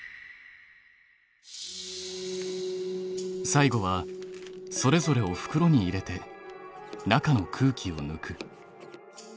最後はそれぞれをふくろに入れて中の空気をぬく。